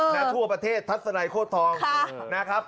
ทั่วประเทศทัศนัยโคตรทองนะครับ